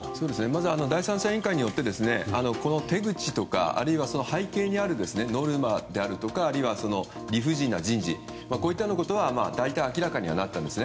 まず第三者委員会によってこの手口とか、あるいは背景にあるノルマであるとかあるいは理不尽な人事といったようなことは大体明らかになったんです。